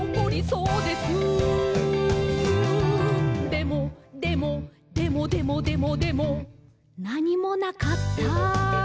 でも、でも、でもでもでもでも」「なにもなかった！」